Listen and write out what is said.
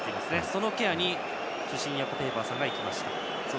そのケアに主審のヤコ・ペイパーさんが行きました。